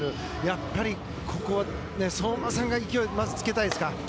やっぱりここは相馬さんが勢いつけたいですか。